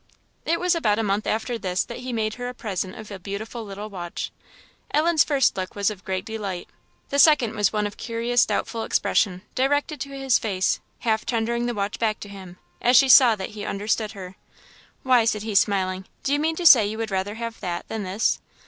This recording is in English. It was about a month after this that he made her a present of a beautiful little watch. Ellen's first look was of great delight; the second was one of curious doubtful expression, directed to his face, half tendering the watch back to him, as she saw that he understood her. "Why," said he, smiling, "do you mean to say you would rather have that than this?"